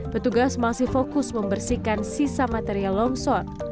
petugas masih fokus membersihkan sisa material longsor